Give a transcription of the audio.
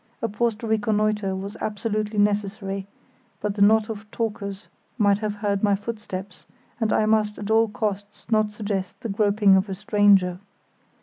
A pause to reconnoitre was absolutely necessary; but the knot of talkers might have heard my footsteps, and I must at all costs not suggest the groping of a stranger.